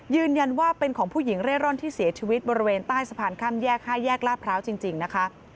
ยืนยันว่าเป็นของผู้หญิงเร่ร่อนที่เสียชีวิตบริเวณใต้สะพานข้ามแยก๕แยกลาดพร้าวจริงนะคะ